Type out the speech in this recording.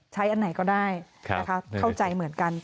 ใช้อันไหนก็ได้เข้าใจเหมือนกัน